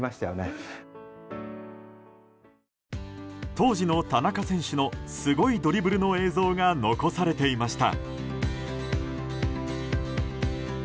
当時の田中選手のすごいドリブルの映像が残されていました。